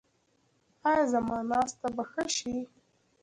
ایا زما ناسته به ښه شي؟